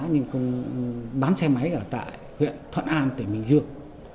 nhưng cũng bán xe máy ở tại huyện thuận an tỉnh bình dương